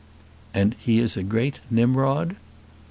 "And he is a great Nimrod?"